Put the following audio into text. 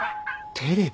テレビ？